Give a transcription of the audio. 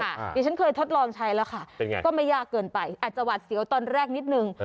เดี๋ยวฉันเคยทดลองใช้แล้วค่ะก็ไม่ยากเกินไปอาจจะหวัดเสียวตอนแรกนิดนึง